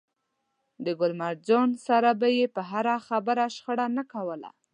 له ګل مرجان سره به يې پر هره خبره شخړه نه کوله.